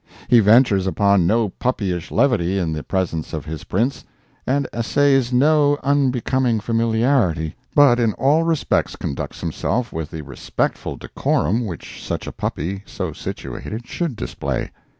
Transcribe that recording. He ventures upon no puppyish levity in the presence of his prince, and essays no unbecoming familiarity, but in all respects conducts himself with the respectful decorum which such a puppy so situated should display.